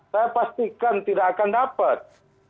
saya pastikan tidak akan dapat